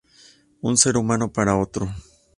Un ser humano para otro.